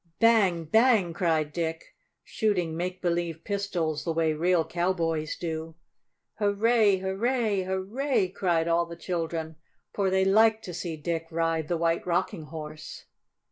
"Bang! Bang!" cried Dick, shooting make believe pistols the way real cowboys do. "Hurray! Hurray! Hurray!" cried all the children, for they liked to see Dick ride the White Rocking Horse.